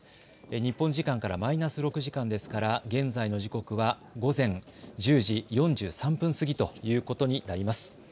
日本時間からマイナス６時間ですから現在の時刻は午前１０時４３分過ぎということになります。